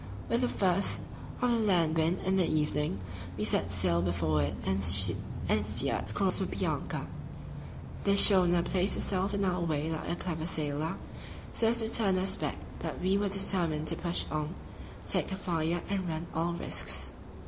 With the first of the land wind in the evening we set sail before it and steered across for Bianca. The schooner placed herself in our way like a clever sailor, so as to turn us back; but we were determined to push on, take her fire, and run all risks.